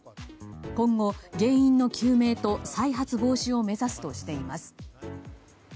今後、原因の究明と再発防止を目指すとしています。